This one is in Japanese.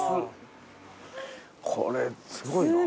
これすごいなあ。